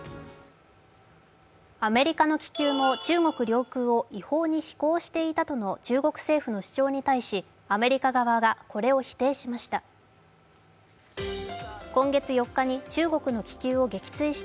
アメリカの気球も中国領空を違法に飛行していたとの中国政府に対しアメリカ側がこれを否定しました。